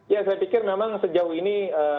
ya saya pikir memang sejauh ini